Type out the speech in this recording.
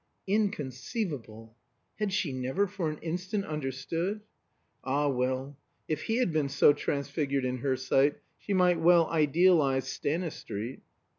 (Inconceivable! Had she never for an instant understood? Ah, well, if he had been so transfigured in her sight, she might well idealize Stanistreet.)